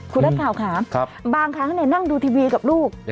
คุณรัฐข่าวขาบางครั้งเนี่ยนั่งดูทีวีกับลูก